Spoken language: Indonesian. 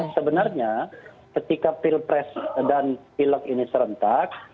sebenarnya ketika pilpres dan pilek ini serentak